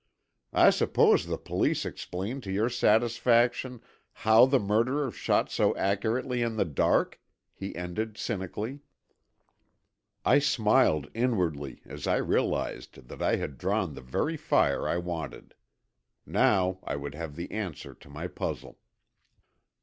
I suppose the police explained to your satisfaction how the murderer shot so accurately in the dark?" he ended, cynically. I smiled inwardly as I realized that I had drawn the very fire I wanted. Now I would have the answer to my puzzle.